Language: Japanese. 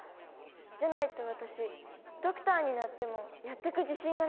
じゃないと私ドクターになってもやってく自信がなくて。